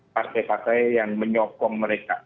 partai partai yang menyokong mereka